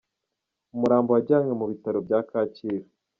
Umurambo wajyanywe mu bitaro bya Kacyiru.